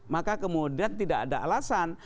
maka kemudian tidak ada alasan